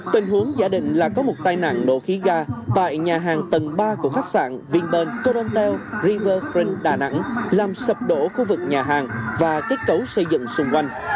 tình huống giả định là có một tai nạn nổ khí ga tại nhà hàng tầng ba của khách sạn vinpearl corontel river fring đà nẵng làm sập đổ khu vực nhà hàng và kết cấu xây dựng xung quanh